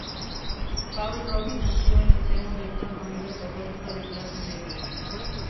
Paul Robin nació en el seno de una familia católica de clase media.